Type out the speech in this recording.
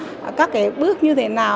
ví dụ như là các cái bước như thế nào